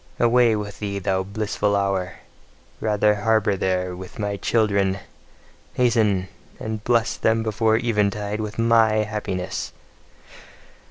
Away with thee, thou blissful hour! Rather harbour there with my children! Hasten! and bless them before eventide with MY happiness!